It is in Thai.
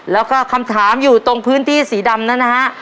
แล้วก็คำถามอยู่ตรงพื้นที่สีดำนั้นนะฮะ